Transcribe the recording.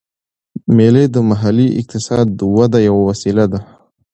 مېلې د محلي اقتصاد وده یوه وسیله ده.